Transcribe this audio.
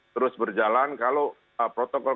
terus berjalan kalau protokol